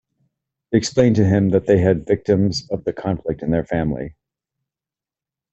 They explained to him that they had victims of the conflict in their family.